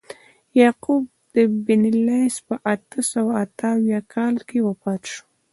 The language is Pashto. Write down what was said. یعقوب بن لیث په اته سوه اته اویا کال کې وفات شو.